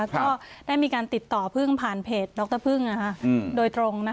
ก็ได้มีการติดต่อพึ่งผ่านเพจดรพึ่งโดยตรง